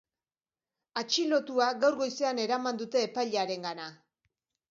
Atxilotua gaur goizean eraman dute epailearengana.